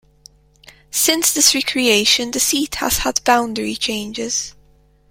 Since this recreation the seat has had boundary changes.